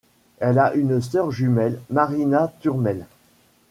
Elle a une soeur jumelle, Marina Turmel.